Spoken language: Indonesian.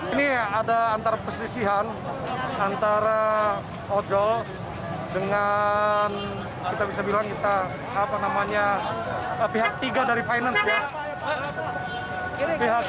ini ada antara persisian antara ojol dengan pihak ketiga dari finance